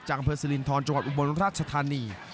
อำเภอสิรินทรจังหวัดอุบลราชธานี